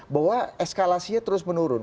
bahwa eskalasinya terus menurun